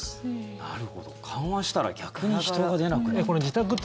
なるほど、緩和したら逆に人が出なくなった。